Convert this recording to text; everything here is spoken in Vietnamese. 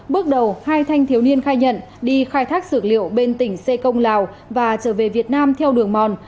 bước đầu hai thanh thiếu niên khai nhận đi khai thác dược liệu bên tỉnh sê công lào và trở về việt nam theo đường mòn